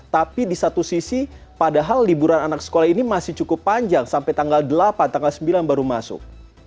tapi di satu sisi padahal liburan anak sekolah ini masih cukup panjang sampai tanggal delapan tanggal sembilan baru masuk